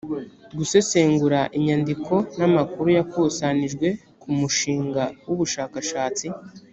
gusesengura inyandiko n’amakuru yakusanijwe ku mushinga w’ ubushakashatsi